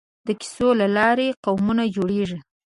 د کیسو له لارې قومونه جوړېږي.